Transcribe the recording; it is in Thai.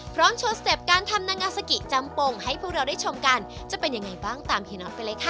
พร้อมโชว์สเต็ปการทำนางอาซากิจำโป่งให้พวกเราได้ชมกันจะเป็นยังไงบ้างตามไปเลยค่ะ